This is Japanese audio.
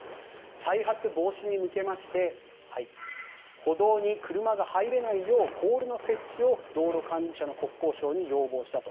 再発防止に向けまして歩道に車が入れないようポールの設置を、道路管理者の国交省に要望したと。